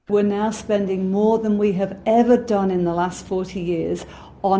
kami sekarang menghabiskan lebih dari apa yang telah kami lakukan